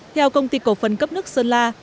theo công ty cổ phần cấp nước sơn la